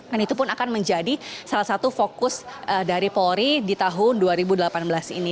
itu pun akan menjadi salah satu fokus dari polri di tahun dua ribu delapan belas ini